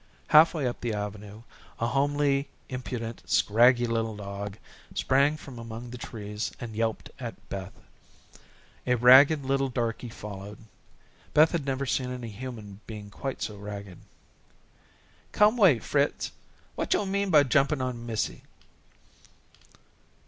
Halfway up the avenue, a homely, impudent, scraggy little dog, sprang from among the trees and yelped at Beth. A ragged little darky followed. Beth had never seen any human being quite so ragged. "Come 'way, Fritz. What yo' mean by jumpin' on de missy?"